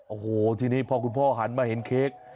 โอ้โหทีนี้พอคุณพ่อหันมาเห็นเค้ก